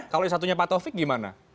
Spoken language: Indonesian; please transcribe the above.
kalau yang satunya pak taufik gimana